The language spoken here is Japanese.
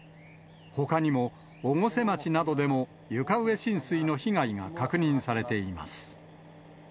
ほかにも越生町などでも床上浸水の被害が確認されています。